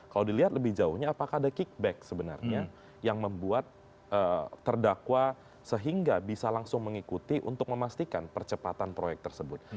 kalau dilihat lebih jauhnya apakah ada kickback sebenarnya yang membuat terdakwa sehingga bisa langsung mengikuti untuk memastikan percepatan proyek tersebut